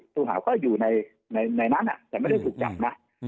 ผู้หาก็อยู่ในนั้นแต่ไม่ได้ถูกจับนะ